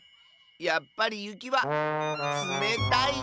やっぱりゆきはつめたいでスノー。